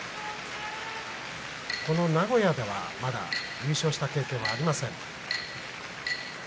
この名古屋ではまだ優勝した経験はありません。